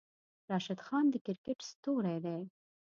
راشد خان د کرکیټ ستوری دی.